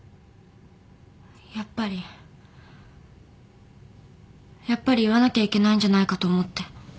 やっぱりやっぱり言わなきゃいけないんじゃないかと思って。